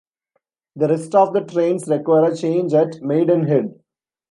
The rest of the trains require a change at Maidenhead.